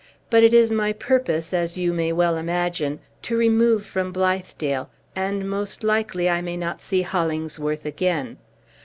"But it is my purpose, as you may well imagine, to remove from Blithedale; and, most likely, I may not see Hollingsworth again.